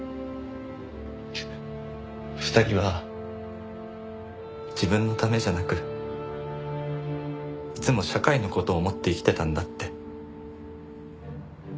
２人は自分のためじゃなくいつも社会の事を思って生きてたんだって。